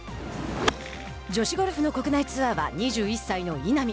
女子ゴルフの国内ツアーは２１歳の稲見。